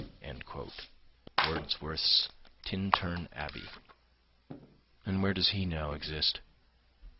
[Wordsworth's "Tintern Abbey".] And where does he now exist?